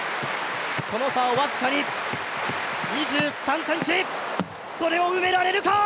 その差はわずかに２３ｃｍ、それを埋められるか。